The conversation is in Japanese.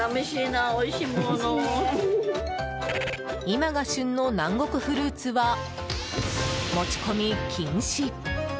今が旬の南国フルーツは持ち込み禁止。